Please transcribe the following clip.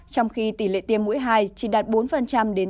trong khi tỷ lệ tiêm mũi hai chỉ đạt bốn đến tám